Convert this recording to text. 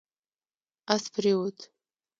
اس پرېووت